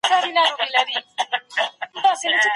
هغې وویل لومړی ځل مې له هانس سره انلاین پېژنګلوي وشوه.